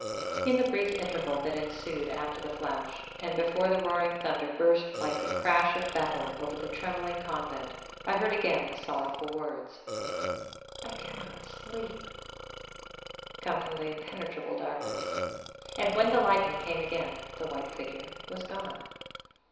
In the brief interval that ensued after the flash, and before the roaring thunder burst like the crash of battle over the trembling convent, I heard again the sorrowful words, "I cannot sleep," come from the impenetrable darkness. And when the lightning came again, the white figure was gone.